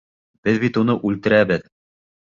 Беҙ бит уны үлтерәбеҙ.